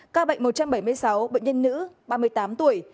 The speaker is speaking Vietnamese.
ca bệnh một trăm bảy mươi sáu bệnh nhân nữ ba mươi tám tuổi